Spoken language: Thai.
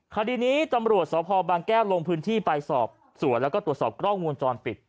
คดีนี้ตำรวจสพบางแก้วลงพื้นที่ไปสอบสวนแล้วก็ตรวจสอบกล้องวงจรปิด